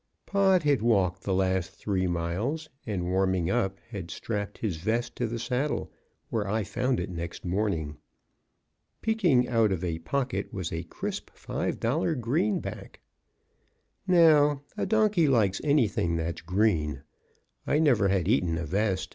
Pod had walked the last three miles, and warming up, had strapped his vest to the saddle, where I found it next morning. Peaking out of a pocket was a crisp five dollar greenback. Now, a donkey likes anything that's green. I never had eaten a vest.